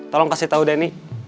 tolong kasih tau danny